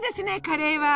カレーは。